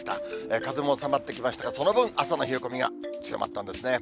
風も収まってきましたが、その分、朝の冷え込みが強まったんですね。